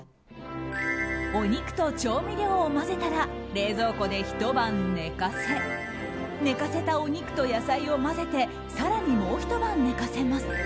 お肉と調味料を混ぜたら冷蔵庫で、ひと晩寝かせ寝かせたお肉と野菜を混ぜて更に、もうひと晩寝かせます。